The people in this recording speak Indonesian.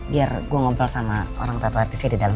biar gue ngobrol sama orang tapa artisnya di dalam